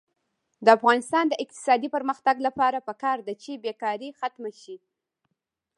د افغانستان د اقتصادي پرمختګ لپاره پکار ده چې بېکاري ختمه شي.